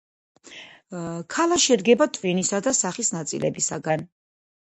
ქალა შედგება ტვინისა და სახის ნაწილებისაგან.